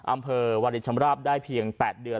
อำเภอวาลินชำราบได้เพียง๘เดือน